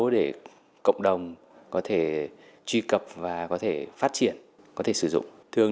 để cộng đồng có thể truy cập và có thể phát triển có thể sử dụng